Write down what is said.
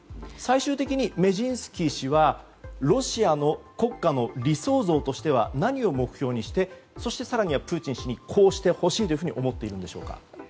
最終的にメジンスキー氏はロシアの国家の理想像としては何を目標にしてそして更にはプーチン氏にこうしてほしいと思っているんでしょうか？